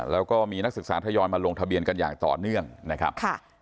แล้วก็มีนักศึกษาทยอยมาลงทะเบียนกันอย่างต่อเนื่องนะครับ